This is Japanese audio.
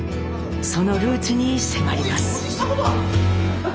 そのルーツに迫ります。